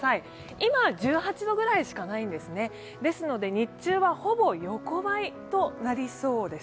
今、１８度ぐらいしかないんですねですので日中は、ほぼ横ばいとなりそうです。